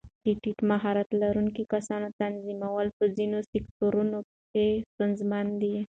د ټیټ مهارت لرونکو کسانو تنظیمول په ځینو سکتورونو کې ستونزمن دي.